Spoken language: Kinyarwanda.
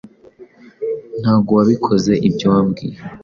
Ntabwo wabikozeibyo wambwiye